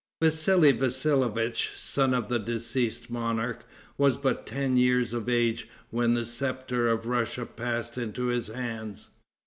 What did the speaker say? Vassali Vassalievitch, son of the deceased monarch, was but ten years of age when the scepter of Russia passed into his hands.